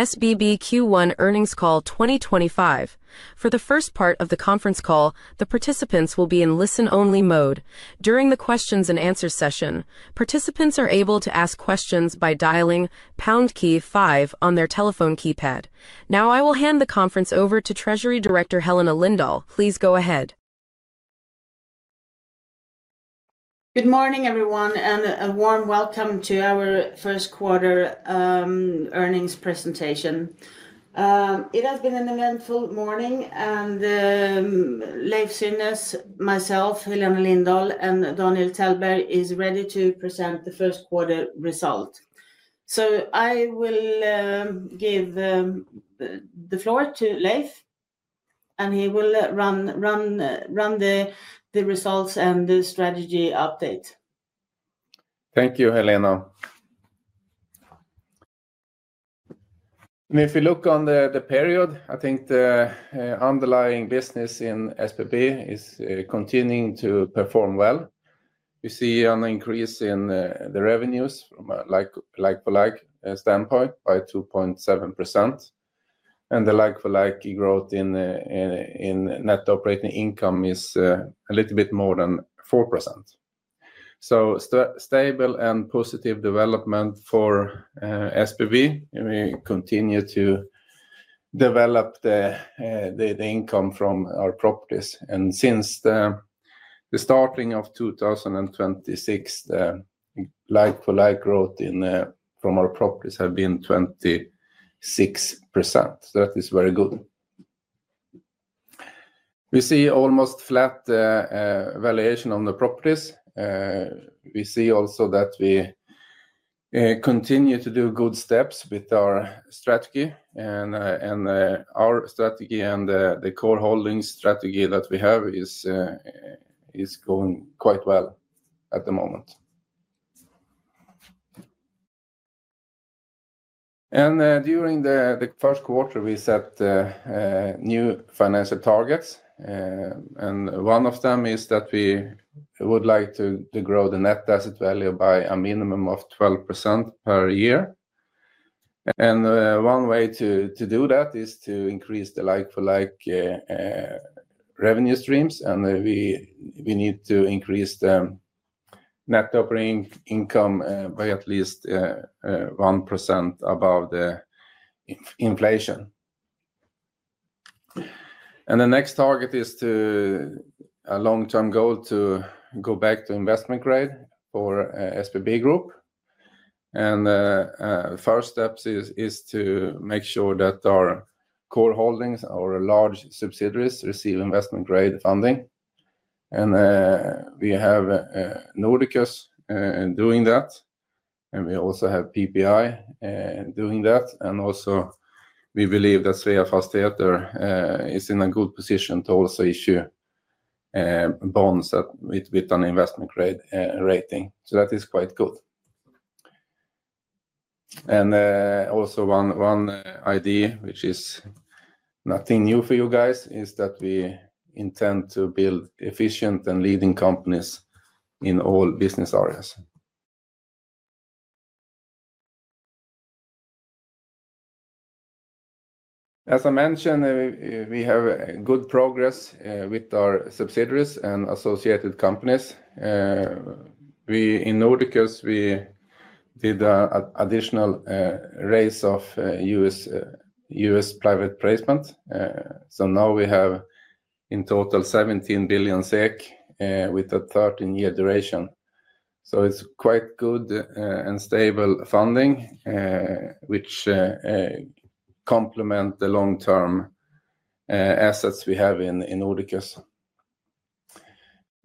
SBB Q1 Earnings Call 2025. For the first part of the conference call, the participants will be in listen-only mode. During the Q&A session, participants are able to ask questions by dialing #5 on their telephone keypad. Now, I will hand the conference over to Treasury Director Helena Lindahl. Please go ahead. Good morning, everyone, and a warm welcome to our first quarter earnings presentation. It has been an eventful morning, and Leiv Synnes, myself, Helena Lindahl, and Daniel Tellberg are ready to present the first quarter results. I will give the floor to Leiv, and he will run the results and the strategy update. Thank you, Helena. If we look on the period, I think the underlying business in SBB is continuing to perform well. We see an increase in the revenues from a like-for-like standpoint by 2.7%, and the like-for-like growth in net operating income is a little bit more than 4%. Stable and positive development for SBB, and we continue to develop the income from our properties. Since the starting of 2026, the like-for-like growth from our properties has been 26%. That is very good. We see almost flat valuation of the properties. We see also that we continue to do good steps with our strategy, and our strategy and the core holdings strategy that we have is going quite well at the moment. During the first quarter, we set new financial targets, and one of them is that we would like to grow the net asset value by a minimum of 12% per year. One way to do that is to increase the like-for-like revenue streams, and we need to increase the Net operating income by at least 1% above the inflation. The next target is a long-term goal to go back to investment grade for SBB Group. The first step is to make sure that our core holdings or large subsidiaries receive investment-grade funding. We have Nordicus doing that, and we also have PPI doing that. We believe that Svea Fastigheter is in a good position to also issue bonds with an investment-grade rating. That is quite good. Also, one idea, which is nothing new for you guys, is that we intend to build efficient and leading companies in all business areas. As I mentioned, we have good progress with our subsidiaries and associated companies. In Nordicus, we did an additional raise of U.S. private placement. Now we have in total 17 billion SEK with a 13-year duration. It is quite good and stable funding, which complements the long-term assets we have in Nordicus.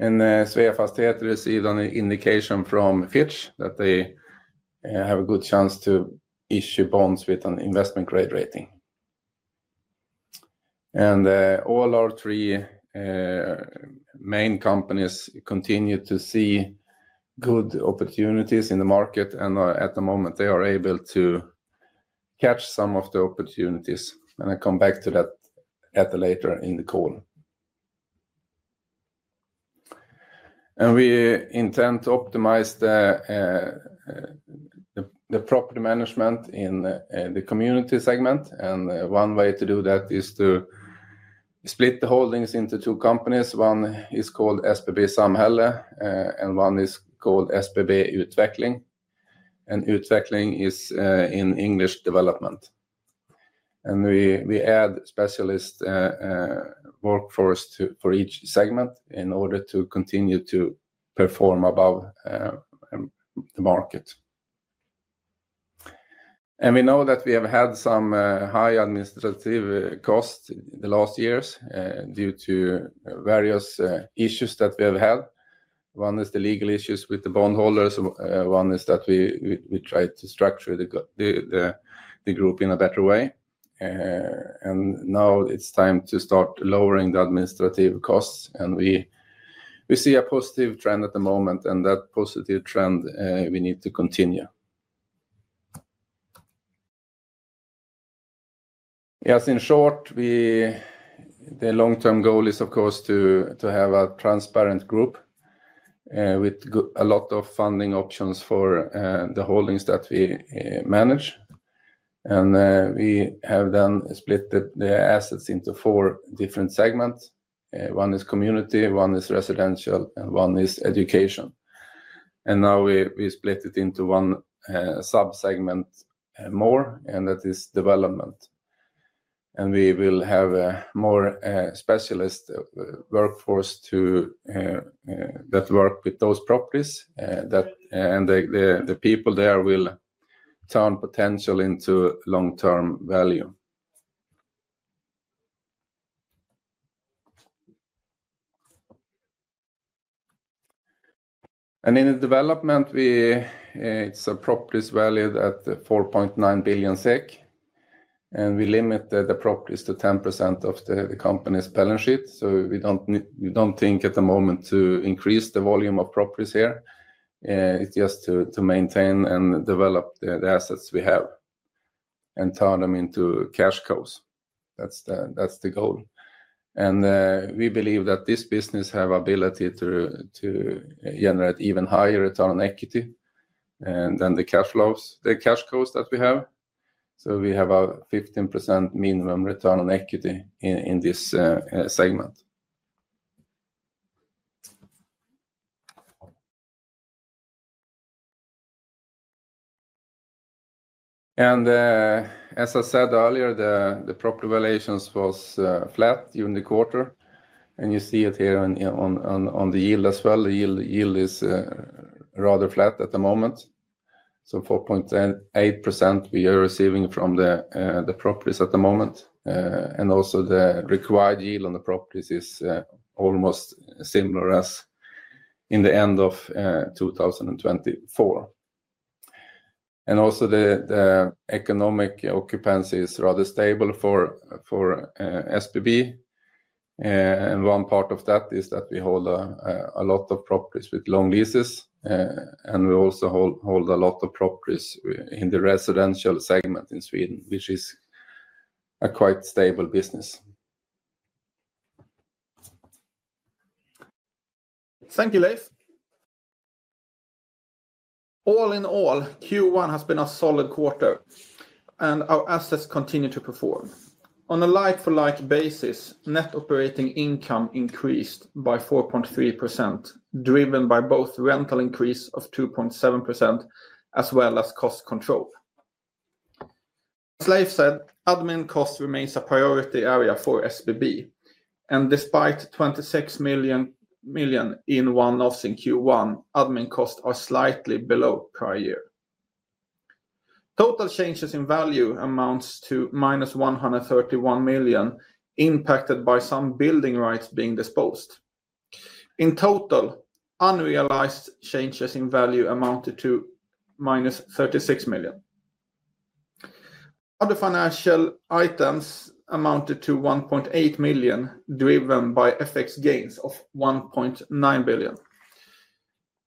Svea Fastigheter received an indication from Fitch that they have a good chance to issue bonds with an investment-grade rating. All our three main companies continue to see good opportunities in the market, and at the moment, they are able to catch some of the opportunities. I come back to that later in the call. We intend to optimize the property management in the community segment, and one way to do that is to split the holdings into two companies. One is called SBB Samhälle, and one is called SBB Utveckling. Utveckling is, in English, development. We add specialist workforce for each segment in order to continue to perform above the market. We know that we have had some high administrative costs in the last years due to various issues that we have had. One is the legal issues with the bondholders. One is that we tried to structure the group in a better way. Now it is time to start lowering the administrative costs, and we see a positive trend at the moment, and that positive trend we need to continue. Yes, in short, the long-term goal is, of course, to have a transparent group with a lot of funding options for the holdings that we manage. We have then split the assets into four different segments. One is community, one is residential, and one is education. Now we split it into one subsegment more, and that is development. We will have a more specialist workforce that works with those properties, and the people there will turn potential into long-term value. In development, it's a property's value at 4.9 billion SEK, and we limit the properties to 10% of the company's Balance sheet. We do not think at the moment to increase the volume of properties here. It's just to maintain and develop the assets we have and turn them into Cash flow That's the goal. We believe that this business has the ability to generate even higher return on equity than the Cash flow that we have. We have a 15% minimum return on equity in this segment. As I said earlier, the property valuations were flat during the quarter, and you see it here on the yield as well. The yield is rather flat at the moment. 4.8% we are receiving from the properties at the moment. The required yield on the properties is almost similar as in the end of 2024. The economic occupancy is rather stable for SBB. One part of that is that we hold a lot of properties with long leases, and we also hold a lot of properties in the residential segment in Sweden, which is a quite stable business. Thank you, Leiv. All in all, Q1 has been a solid quarter, and our assets continue to perform. On a like-for-like basis, net operating income increased by 4.3%, driven by both rental increase of 2.7% as well as cost control. As Leif said, admin costs remain a priority area for SBB, and despite 26 million in one-offs in Q1, admin costs are slightly below prior year. Total changes in value amount to minus 131 million, impacted by some building rights being disposed. In total, unrealized changes in value amounted to minus 36 million. Other financial items amounted to 1.8 million, driven by FX gains of 1.9 billion.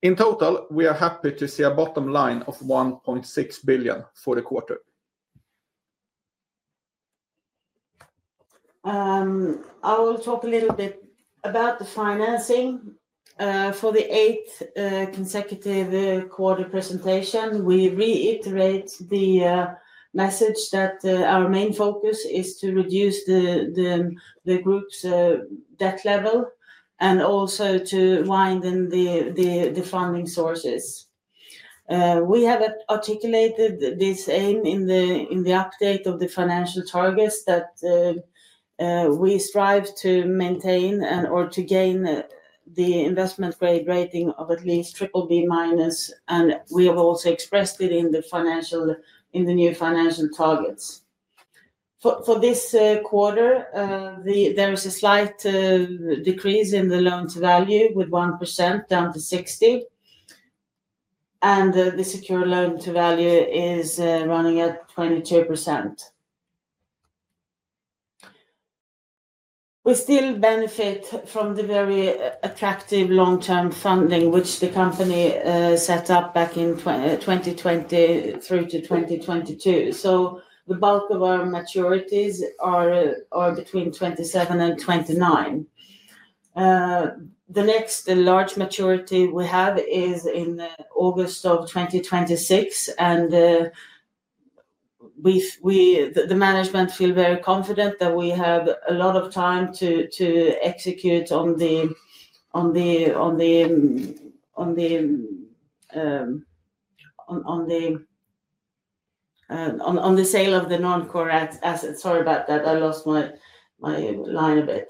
In total, we are happy to see a bottom line of 1.6 billion for the quarter. I will talk a little bit about the financing. For the eighth consecutive quarter presentation, we reiterate the message that our main focus is to reduce the group's debt level and also to widen the funding sources. We have articulated this aim in the update of the financial targets that we strive to maintain and/or to gain the investment-grade rating of at least BBB-, and we have also expressed it in the new financial targets. For this quarter, there is a slight decrease in the loan-to-value with 1% down to 60%, and the secured loan-to-value is running at 22%. We still benefit from the very attractive long-term funding, which the company set up back in 2020 through to 2022. The bulk of our maturities are between 2027 and 2029. The next large maturity we have is in August of 2026, and the management feels very confident that we have a lot of time to execute on the sale of the non-core assets. Sorry about that. I lost my line a bit.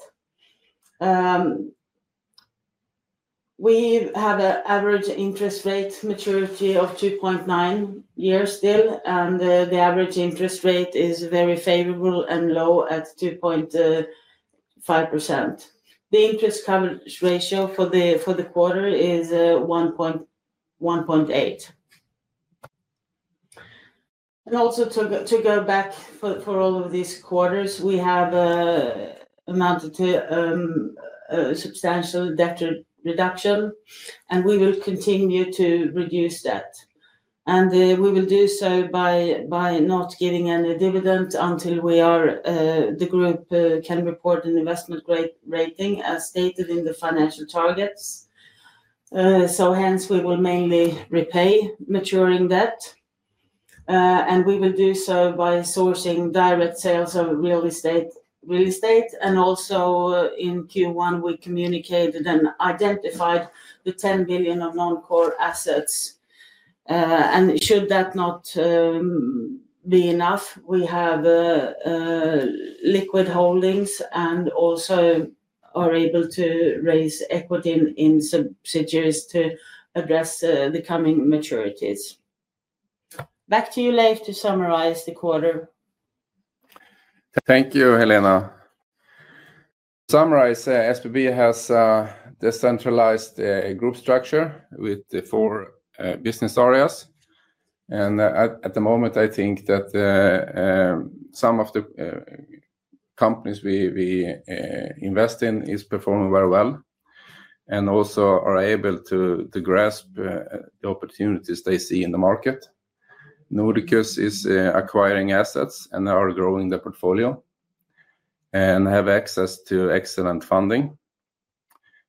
We have an average interest rate maturity of 2.9 years still, and the average interest rate is very favorable and low at 2.5%. The interest coverage ratio for the quarter is 1.8. Also, to go back for all of these quarters, we have amounted to a substantial debt reduction, and we will continue to reduce that. We will do so by not giving any dividends until the group can report an investment-grade rating as stated in the financial targets. Hence, we will mainly repay maturing debt, and we will do so by sourcing direct sales of real estate. Also in Q1, we communicated and identified 10 billion of non-core assets. Should that not be enough, we have liquid holdings and also are able to raise equity in subsidiaries to address the coming maturities. Back to you, Leiv, to summarize the quarter. Thank you, Helena. To summarize, SBB has a decentralized group structure with four business areas. At the moment, I think that some of the companies we invest in are performing very well and also are able to grasp the opportunities they see in the market. Nordicus is acquiring assets and are growing the portfolio and have access to excellent funding.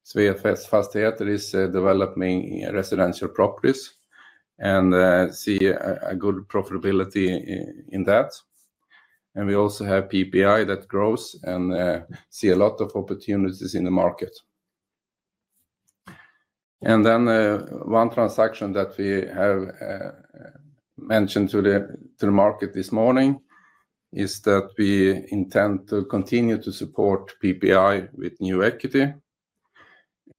Svea Fastigheter is developing residential properties and see a good profitability in that. We also have PPI that grows and see a lot of opportunities in the market. One transaction that we have mentioned to the market this morning is that we intend to continue to support PPI with new equity.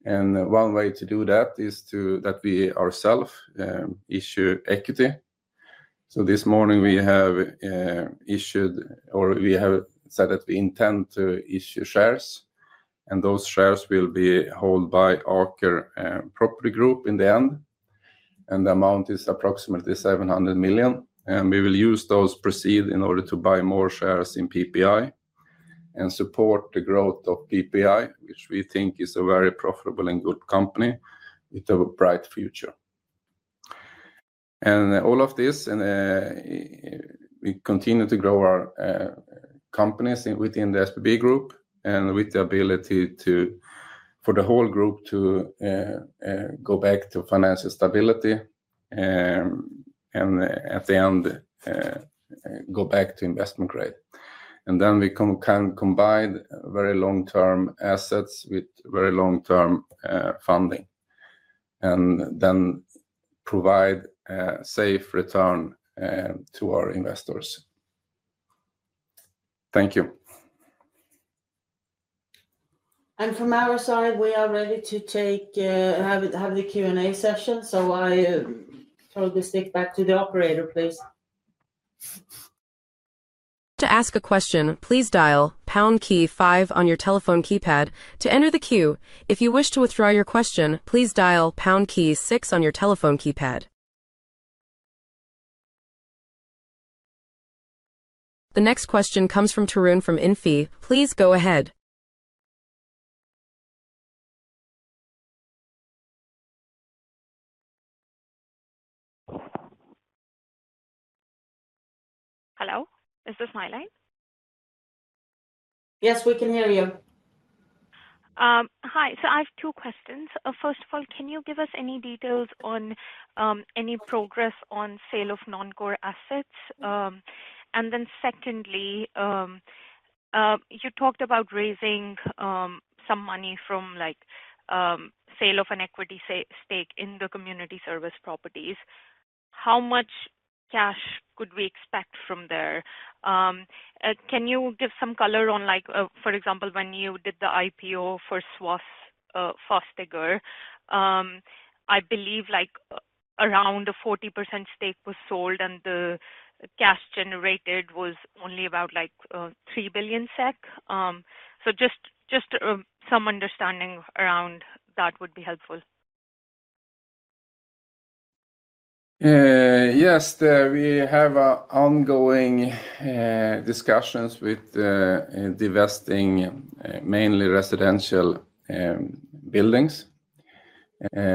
One way to do that is that we ourselves issue equity. This morning, we have issued or we have said that we intend to issue shares, and those shares will be held by Aker Property Group in the end. The amount is approximately 700 million. We will use those proceeds in order to buy more shares in PPI and support the growth of PPI, which we think is a very profitable and good company with a bright future. All of this, we continue to grow our companies within the SBB Group and with the ability for the whole group to go back to financial stability and at the end go back to investment grade. We can combine very long-term assets with very long-term funding and then provide a safe return to our investors. Thank you. From our side, we are ready to have the Q&A session. I'll stick back to the operator, please. To ask a question, please dial pound key five on your telephone keypad to enter the queue. If you wish to withdraw your question, please dial pound key six on your telephone keypad. The next question comes from Tarun from INFI. Please go ahead. Hello, is this my line? Yes, we can hear you. Hi, so I have two questions. First of all, can you give us any details on any progress on sale of non-core assets? Secondly, you talked about raising some money from sale of an equity stake in the community service properties. How much cash could we expect from there? Can you give some color on, for example, when you did the IPO for Svea Fastigheter? I believe around a 40% stake was sold, and the cash generated was only about 3 billion SEK. Just some understanding around that would be helpful. Yes, we have ongoing discussions with divesting mainly residential buildings,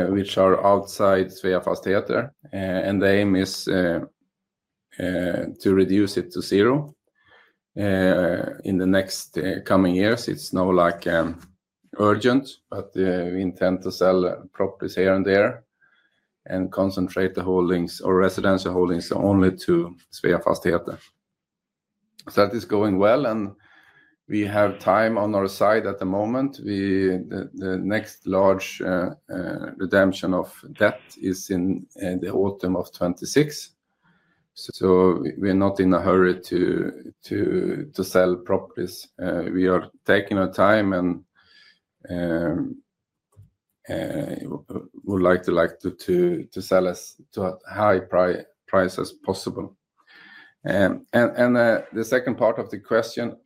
which are outside Svea Fastigheter, and the aim is to reduce it to zero in the next coming years. It is not urgent, but we intend to sell properties here and there and concentrate the holdings or residential holdings only to Svea Fastigheter. That is going well, and we have time on our side at the moment. The next large redemption of debt is in the autumn of 2026. We are not in a hurry to sell properties. We are taking our time and would like to sell at the highest price as possible. The second part of the question,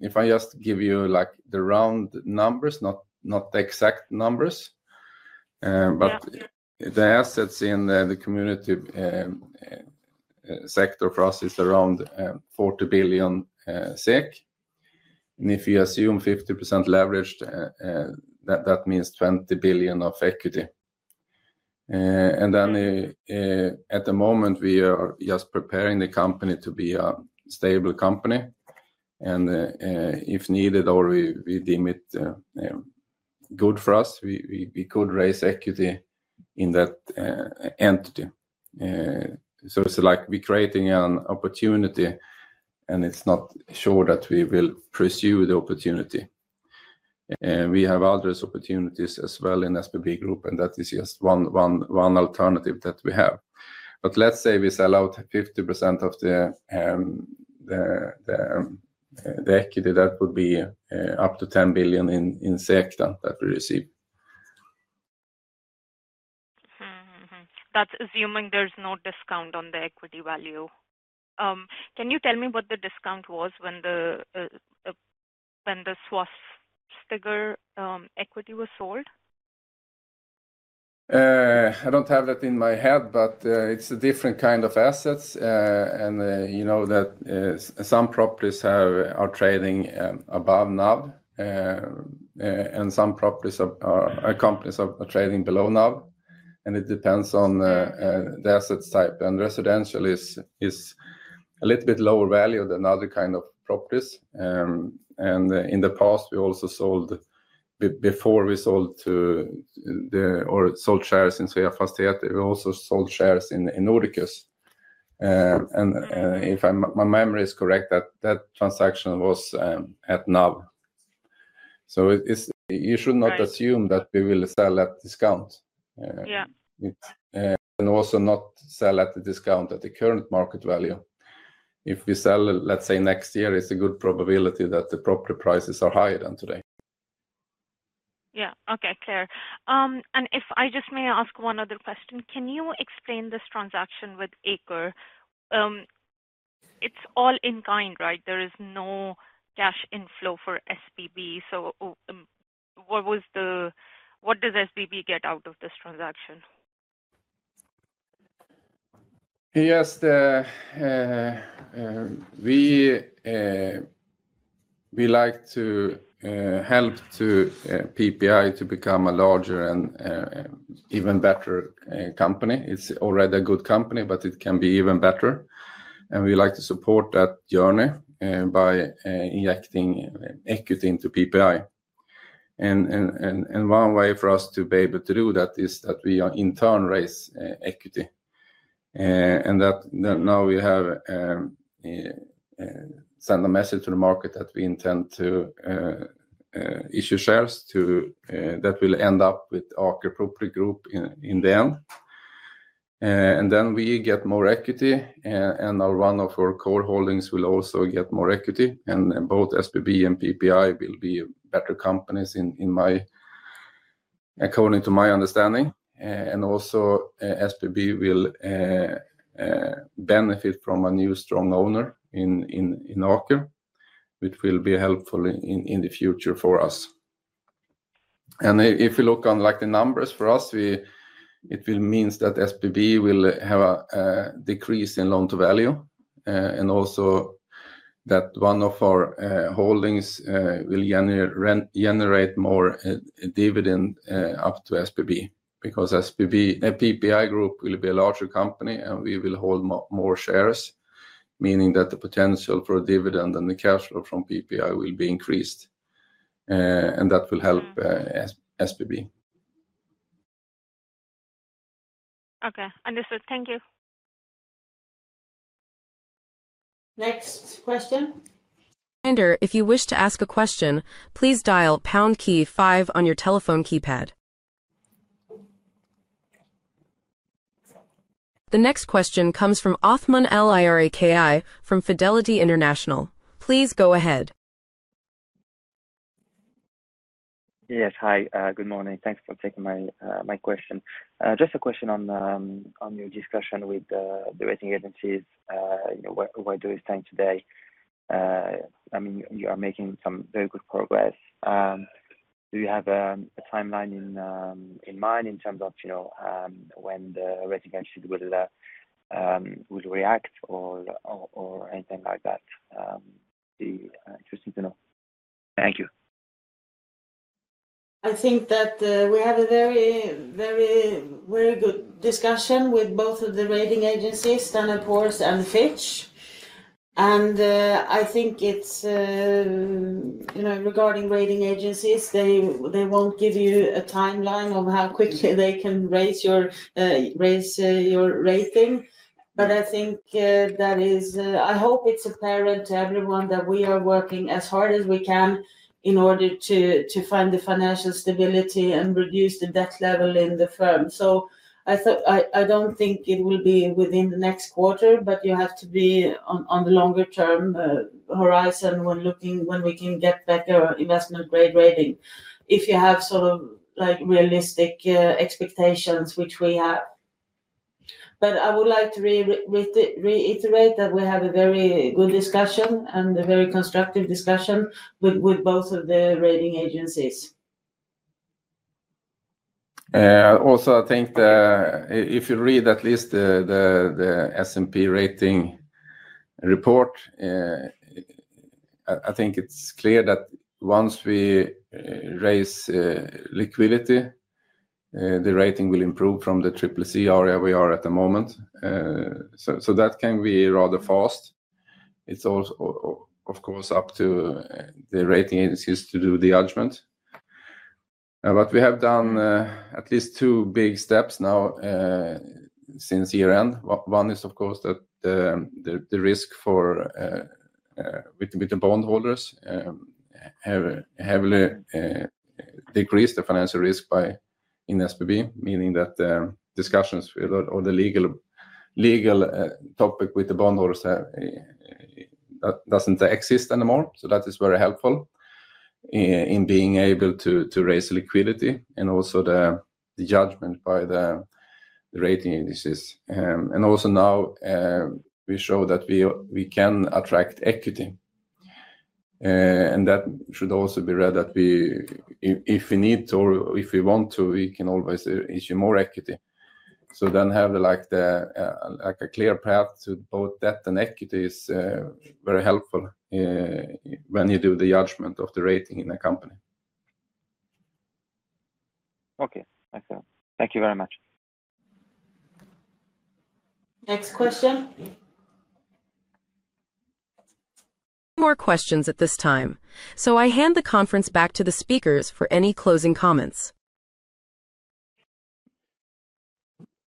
if I just give you the round numbers, not the exact numbers, but the assets in the community sector for us is around 40 billion SEK. If you assume 50% leveraged, that means 20 billion of equity. At the moment, we are just preparing the company to be a stable company. If needed or we deem it good for us, we could raise equity in that entity. It's like we're creating an opportunity, and it's not sure that we will pursue the opportunity. We have other opportunities as well in SBB Group, and that is just one alternative that we have. Let's say we sell out 50% of the equity, that would be up to 10 billion that we receive. That's assuming there's no discount on the equity value. Can you tell me what the discount was when the Svea Fastigheter equity was sold? I don't have that in my head, but it's a different kind of assets. You know that some properties are trading above NAV, and some properties are companies trading below NAV. It depends on the asset type. Residential is a little bit lower value than other kinds of properties. In the past, before we sold shares in Svea Fastigheter, we also sold shares in Nordicus. If my memory is correct, that transaction was at NAV. You should not assume that we will sell at discount. Yeah. Also, not sell at the discount at the current market value. If we sell, let's say next year, it's a good probability that the property prices are higher than today. Yeah. Okay, clear. If I just may ask one other question, can you explain this transaction with Aker? It's all in-kind, right? There is no cash inflow for SBB. What does SBB get out of this transaction? Yes, we like to help PPI to become a larger and even better company. It's already a good company, but it can be even better. We like to support that journey by injecting equity into PPI. One way for us to be able to do that is that we in turn raise equity. We have sent a message to the market that we intend to issue shares that will end up with Aker Property Group in the end. We get more equity, and one of our core holdings will also get more equity. Both SBB and PPI will be better companies according to my understanding. SBB will benefit from a new strong owner in Aker, which will be helpful in the future for us. If we look on the numbers for us, it will mean that SBB will have a decrease in loan-to-value. Also, that one of our holdings will generate more dividend up to SBB because PPI Group will be a larger company and we will hold more shares, meaning that the potential for dividend and the cash flow from PPI will be increased. That will help SBB. Okay. Understood. Thank you. Next question. If you wish to ask a question, please dial pound key five on your telephone keypad. The next question comes from Othman EI Liraki from Fidelity International. Please go ahead. Yes. Hi. Good morning. Thanks for taking my question. Just a question on your discussion with the rating agencies. Where do you stand today? I mean, you are making some very good progress. Do you have a timeline in mind in terms of when the rating agencies will react or anything like that? It's interesting to know. Thank you. I think that we had a very, very good discussion with both of the rating agencies, Standard & Poor's and Fitch. I think regarding rating agencies, they will not give you a timeline of how quickly they can raise your rating. I hope it is apparent to everyone that we are working as hard as we can in order to find the financial stability and reduce the debt level in the firm. I do not think it will be within the next quarter, but you have to be on the longer-term horizon when we can get better investment-grade rating if you have sort of realistic expectations, which we have. I would like to reiterate that we had a very good discussion and a very constructive discussion with both of the rating agencies. Also, I think if you read at least the S&P rating report, I think it's clear that once we raise liquidity, the rating will improve from the CCC area we are at the moment. That can be rather fast. It is also, of course, up to the rating agencies to do the judgment. We have done at least two big steps now since year-end. One is, of course, that the risk with the bondholders has heavily decreased the financial risk in SBB, meaning that discussions or the legal topic with the bondholders does not exist anymore. That is very helpful in being able to raise liquidity and also the judgment by the rating agencies. Also now we show that we can attract equity. That should also be read that if we need to or if we want to, we can always issue more equity. To then have a clear path to both debt and equity is very helpful when you do the judgment of the rating in a company. Okay. Excellent. Thank you very much. Next question. No more questions at this time. I hand the conference back to the speakers for any closing comments.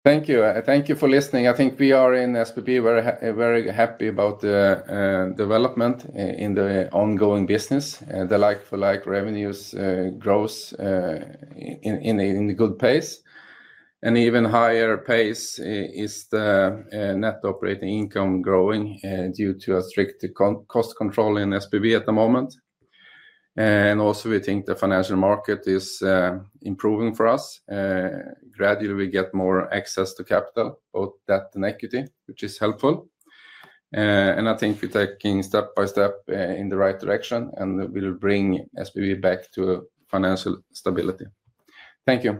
Thank you. Thank you for listening. I think we are in SBB very happy about the development in the ongoing business. The like-for-like revenues grow in a good pace. An even higher pace is the net operating income growing due to a strict cost control in SBB at the moment. We think the financial market is improving for us. Gradually, we get more access to capital, both debt and equity, which is helpful. I think we are taking step by step in the right direction, and we will bring SBB back to financial stability. Thank you.